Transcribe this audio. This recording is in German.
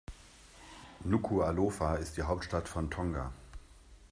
Nukuʻalofa ist die Hauptstadt von Tonga.